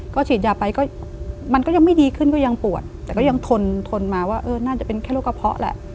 ก็ฉีดยาไปก็มันก็ยังไม่ดีขึ้นก็ยังปวดแต่ก็ยังทนทนมาว่าเออน่าจะเป็นแค่โรคกระเพาะแหละ